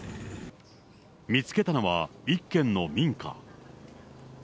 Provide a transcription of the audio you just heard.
見つけたのは一軒の民家。